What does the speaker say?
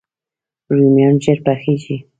رومیان ژر پخیږي